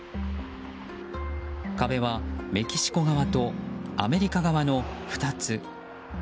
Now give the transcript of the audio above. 壁はメキシコ側とアメリカ側の２つ。